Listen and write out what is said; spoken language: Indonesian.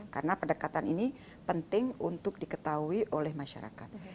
karena pendekatan ini penting untuk diketahui oleh masyarakat